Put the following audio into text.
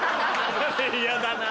嫌だなぁ。